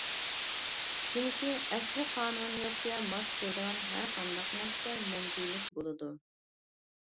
چۈنكى، ئەسلى قانۇنىيەتكە ماس كېلىدىغان ھەرقانداق نەرسە مەڭگۈلۈك بولىدۇ.